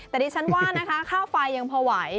แต่ดิฉันว่านะคะค่าไฟยังพอไหว